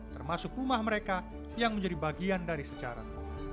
termasuk rumah mereka yang menjadi bagian dari sejarah